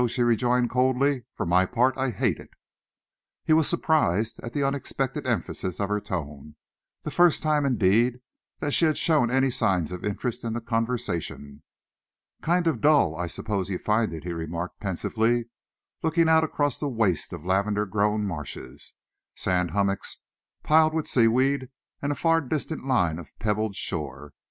she rejoined coldly. "For my part, I hate it." He was surprised at the unexpected emphasis of her tone the first time, indeed, that she had shown any signs of interest in the conversation. "Kind of dull I suppose you find it," he remarked pensively, looking out across the waste of lavender grown marshes, sand hummocks piled with seaweed, and a far distant line of pebbled shore.